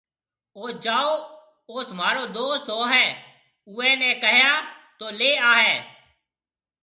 اوٿ جاو اوٿ مهآرو دوست هوئي اُوئي نَي ڪهيا تو ليَ آئي۔